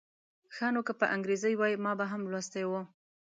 ښه نو که په انګریزي وای ما به هم لوستی و.